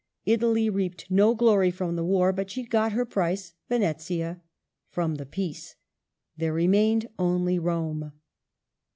Italy reaped no glory from the war, but she got her price — Venetia — from the Peace. There remained only Rome.